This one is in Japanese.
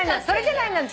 それじゃない？